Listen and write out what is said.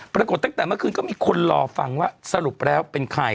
ปรากฏตั้งแต่เมื่อคืนก็มีคนรอฟังว่าสรุปแล้วเป็นใคร